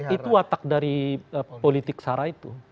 itu watak dari politik sara itu